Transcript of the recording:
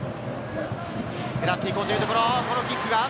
狙っていこうというところ。